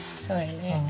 そうよね。